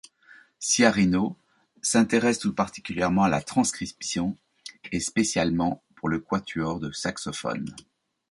Sciarrino s'intéresse tout particulièrement à la transcription, et spécialement pour le quatuors de saxophones.